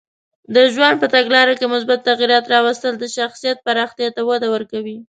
د ژوند په تګلاره کې مثبت تغییرات راوستل د شخصیت پراختیا ته وده ورکوي.